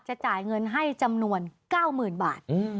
จ่ายเงินให้จำนวน๙๐๐๐บาท